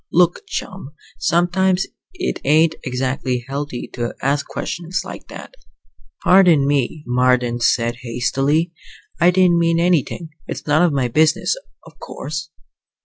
"Look, chum, sometimes it ain't exactly healthy to ask questions like that." "Pardon me," Marden said hastily. "I didn't mean anything. It's none of my business, of course."